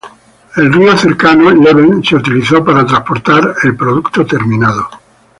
El río cercano, Leven, se utilizó para transportar el producto terminado.